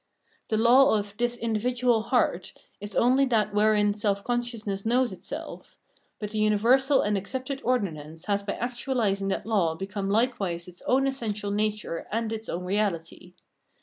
The law of " this individual heart " is only that wherein self consciousness knows itself ; but the universal and accepted ordinance has by actualising that law become Likewise its own essential nature and its own reality.